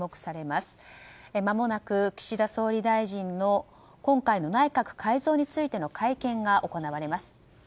まもなく岸田総理大臣の今回の内閣改造についての会見が行われます。